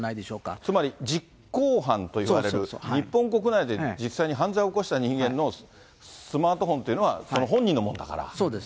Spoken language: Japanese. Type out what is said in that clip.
つまり実行犯といわれる、日本国内で実際に犯罪を犯した人間のスマートフォンというのは、そうです。